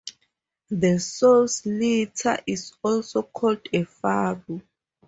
The sow's litter is also called a farrow.